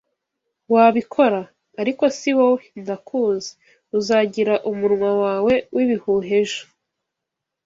wabikora. Ariko si wowe! Ndakuzi. Uzagira umunwa wawe w'ibihuha ejo,